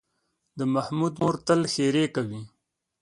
د محمود مور تل ښېرې کوي.